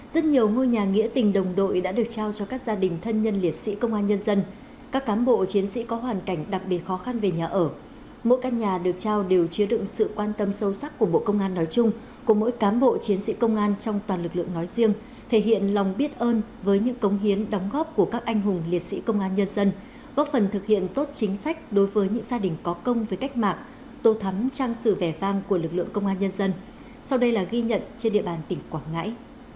tổng ngôi nhà nghĩa tình đồng đội đã được trao cho các gia đình thân nhân liệt sĩ công an nhân dân các cám bộ chiến sĩ có hoàn cảnh đặc biệt khó khăn về nhà ở mỗi căn nhà được trao đều chứa đựng sự quan tâm sâu sắc của bộ công an nói chung của mỗi cám bộ chiến sĩ công an trong toàn lực lượng nói riêng thể hiện lòng biết ơn với những cống hiến đóng góp của các anh hùng liệt sĩ công an nhân dân góp phần thực hiện tốt chính sách đối với những gia đình có công với cách mạng tô thắm trang sự vẻ vang của lực lượng công an nhân dân sau đây là ghi nhận trên địa bàn tỉnh quảng ngãi